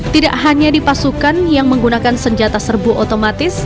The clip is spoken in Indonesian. tidak hanya di pasukan yang menggunakan senjata serbu otomatis